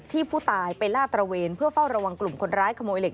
ที่ผู้ตายไปลาดตระเวนเพื่อเฝ้าระวังกลุ่มคนร้ายขโมยเหล็